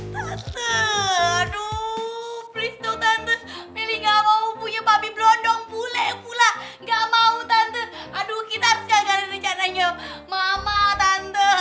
tante aduh please dong tante melia gak mau punya babi berondong bule pula gak mau tante aduh kita harus gagalin rencananya mama tante ama tante